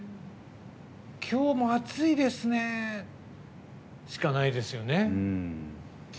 今日も暑いですねしかないですよね。